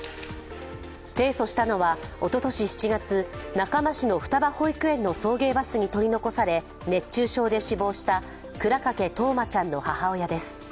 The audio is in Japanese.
提訴したのは、おととし７月中間市の双葉保育園の送迎バスに取り残され熱中症で死亡した倉掛冬生ちゃんの母親です。